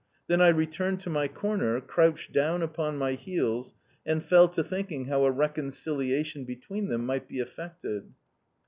Then I returned to my corner, crouched down upon my heels, and fell to thinking how a reconciliation between them might be effected.